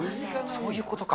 そういうことか。